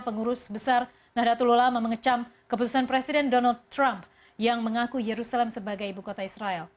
pengurus besar nahdlatul ulama mengecam keputusan presiden donald trump yang mengaku yerusalem sebagai ibu kota israel